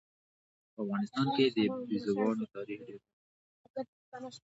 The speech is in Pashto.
په افغانستان کې د بزګانو تاریخ ډېر اوږد دی.